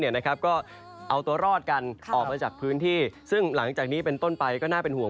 ก็เอาตัวรอดกันออกมาจากพื้นที่ซึ่งหลังจากนี้เป็นต้นไปก็น่าเป็นห่วง